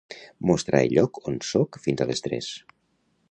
Mostrar el lloc on soc fins a les tres.